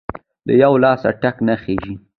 له يوه لاسه ټک نه خیژي!.